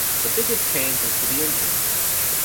The biggest change was to the engine.